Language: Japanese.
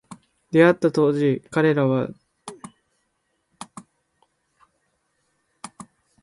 出逢った当時、彼らは、「人生の道半ばにして正道を踏み外し」つつあった。